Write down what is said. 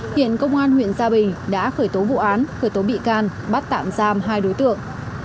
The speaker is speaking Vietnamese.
hiện công an huyện gia bình đã khởi tố vụ án khởi tố bị can bắt tạm giam hai đối tượng